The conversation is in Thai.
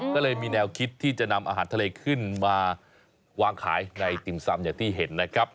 ก็เลยมีแนวคิดที่จะนำอาหารทะเลขึ้นมาวางขายในติ่มซำอย่างที่เห็นนะครับ